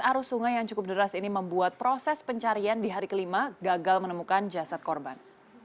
arus sungai yang cukup deras ini membuat proses pencarian di hari kelima gagal menemukan jasad korban